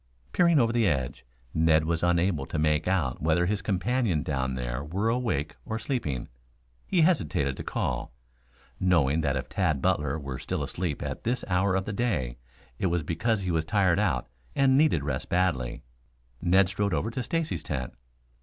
Peering over the edge, Ned was unable to make out whether his companion down there were awake or sleeping. He hesitated to call, knowing that if Tad Butler were still asleep at that hour of the day it was because he was tired out and needed rest badly. Ned strode over to Stacy's tent.